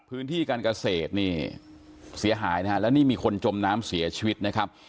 พื้นที่การเกษตรนี่เสียหายนะฮะแล้วนี่มีคนจมน้ำเสียชีวิตนะครับ